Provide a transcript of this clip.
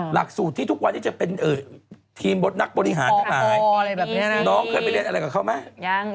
หลักสูตรที่ทุกวันนี้จะเป็นทีมบทนักบริหารทั้งหลายน้องเคยไปเรียนอะไรกับเขาไหมยัง